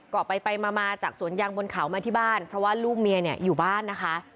ก็ไปไปมามาจากสวนยางบนเขามาที่บ้านเพราะว่าลูกเมียเนี่ยอยู่บ้านนะคะ